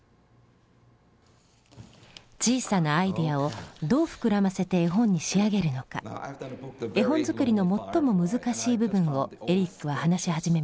小さなアイデアをどう膨らませて絵本に仕上げるのか絵本作りの最も難しい部分をエリックは話し始めました。